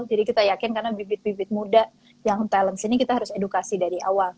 jadi kita yakin karena bibit bibit muda yang talent sini kita harus edukasi dari awal